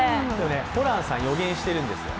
ホランさん、予言しているんですよ。